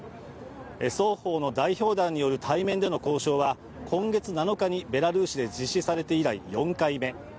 双方の代表団による対面での交渉は今月７日にベラルーシで実施されて以来、４回目。